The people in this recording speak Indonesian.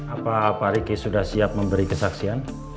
apa pak riki sudah siap memberi kesaksian